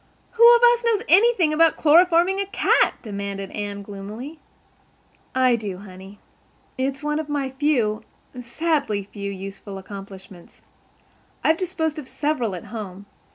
"Who of us knows anything about chloroforming a cat?" demanded Anne gloomily. "I do, honey. It's one of my few—sadly few—useful accomplishments. I've disposed of several at home.